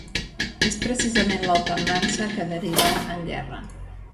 És precisament l'alternança que derivà en guerra.